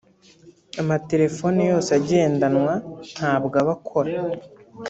amatelefone yose agendanwa ntabwo aba akora